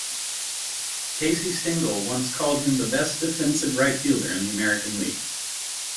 Casey Stengel once called him the best defensive right fielder in the American League.